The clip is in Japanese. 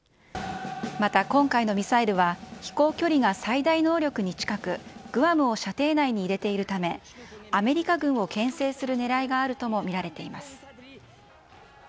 また今回のミサイルは、飛行距離が最大能力に近く、グアムを射程内に入れているため、アメリカ軍をけん制するねらいがあるとも見られています。